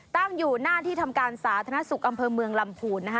ตั้งอยู่หน้าที่ทำการสาธารณสุขอำเภอเมืองลำพูนนะคะ